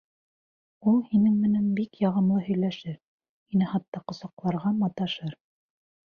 Ул һинең менән бик яғымлы һөйләшер, һине хатта ҡосаҡларға маташыр.